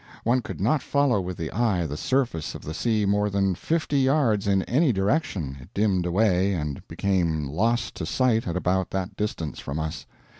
One could not follow with the eye the surface of the sea more than fifty yards in any direction it dimmed away and became lost to sight at about that distance from us.